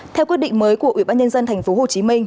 theo quyết định mới của ủy ban nhân dân tp hcm